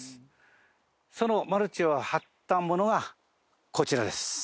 そのマルチを張ったものがこちらです。